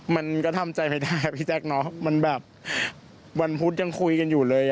มันก็ทำใจไม่ได้พี่แจ๊คเนอะมันแบบวันพุธยังคุยกันอยู่เลย